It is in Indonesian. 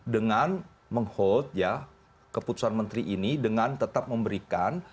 dengan menghold ya keputusan menteri ini dengan tetap memberikan